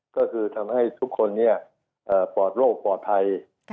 ก็คือทำให้ทุกคนปลอดโรคปลอดภัย